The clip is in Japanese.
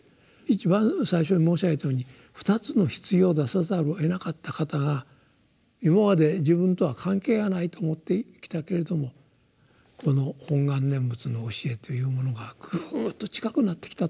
一番最初に申し上げたように２つの棺を出さざるをえなかった方が「今まで自分とは関係がないと思ってきたけれどもこの本願念仏の教えというものがグーッと近くなってきた」と言うんですね。